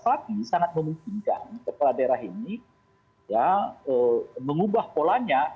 tapi sangat memungkinkan kepala daerah ini mengubah polanya